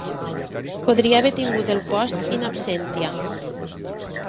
Podria haver tingut el post "in absentia".